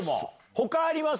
他あります？